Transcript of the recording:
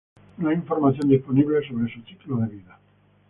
No hay información disponible sobre su ciclo de vida.